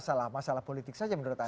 jadi ini masalah politik saja menurut anda